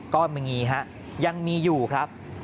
ก็ไม่มีฮะยังมีอยู่ครับ